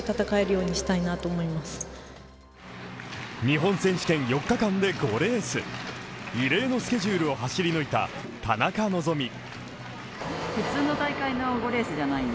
日本選手権４日間で５レース、異例のスケジュールを走り抜いた田中希実。